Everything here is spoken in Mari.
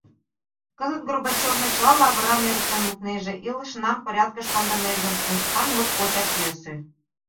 Кызыт Горбачёвна чыла лавырам эрыктен лукнеже, илышнам порядкыш кондынеже, но тудлан моткочак йӧсӧ.